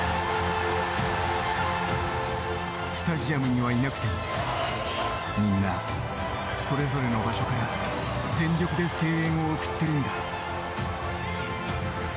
スタジアムにはいなくても、みんな、それぞれの場所から全力で声援を送っているんだ。